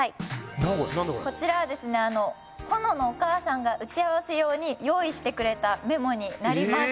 こちらは保乃のお母さんが打ち合わせ用に用意してくれたメモになります。